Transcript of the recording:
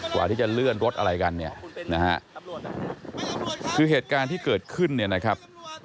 กว่าที่จะเลื่อนรถอะไรกันเนี่ยนะฮะคือเหตุการณ์ที่เกิดขึ้นเนี่ยนะครับ